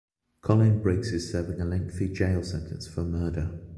Colin Briggs is serving a lengthy jail sentence for murder.